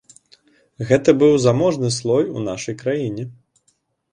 Гэта быў заможны слой у нашай краіне.